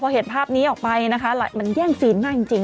พอเห็นภาพนี้ออกไปนะคะมันแย่งซีนมากจริง